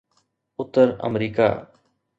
Uttar America